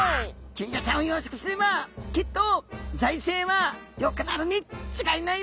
金魚ちゃんを養殖すればきっと財政はよくなるに違いないぞ」と。